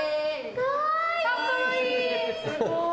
かわいい！